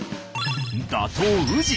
打倒宇治！